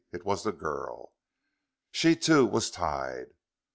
It was the girl. She too was tied.